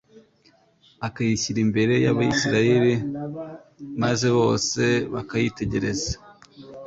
akayishyira imbere y'Abisirayeli maze bose bakayitegereza.